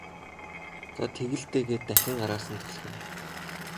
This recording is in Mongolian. За тэг л дээ гээд дахин араас нь түлхэнэ.